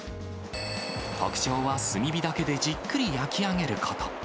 特徴は炭火だけでじっくり焼き上げること。